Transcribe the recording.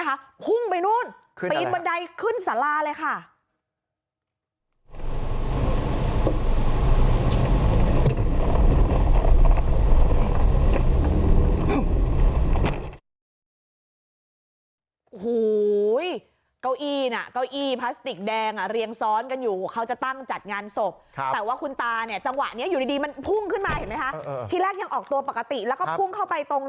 ฮุ่งไปโน้นปีนสาลาเลยค่ะ